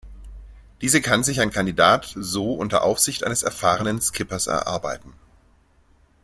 Diese kann sich ein Kandidat so unter Aufsicht eines erfahrenen Skippers erarbeiten.